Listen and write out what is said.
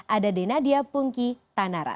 ada denadia pungki tanara